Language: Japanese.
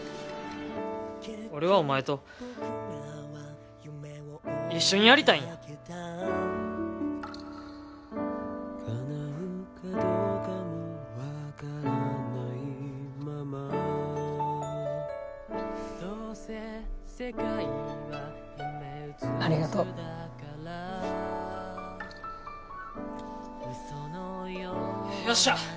俺はお前と一緒にやりたいんやありがとうよっしゃ！